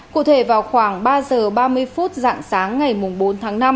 cụ thể vào khoảng ba giờ ba mươi phút dạng sáng ngày bốn tháng năm